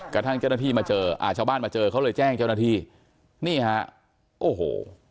กระทั่งเจ้าหน้าที่มาเจออ่าชาวบ้านมาเจอเขาเลยแจ้งเจ้าหน้าที่นี่ฮะโอ้โห